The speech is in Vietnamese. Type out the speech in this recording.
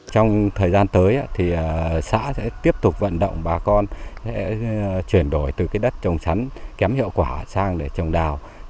trong thời gian tới thì xã sẽ tiếp tục vận động bà con chuyển đổi từ đất trồng sắn kém hiệu quả sang để trồng đào